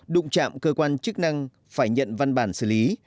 đụng chạm cơ quan chức năng phải nhận văn bản xử lý